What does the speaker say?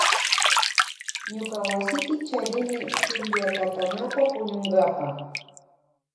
Ñuka wasipi charini shuklla katanata puñunkapa.